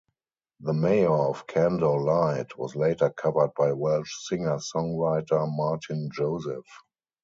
"The Mayor Of Candor Lied" was later covered by Welsh singer-songwriter Martyn Joseph.